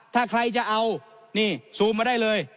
ถ้าใครจะเอานี่ซูมมาได้เลย